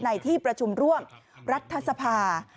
ในที่ประชุมร่วมรัฐสภา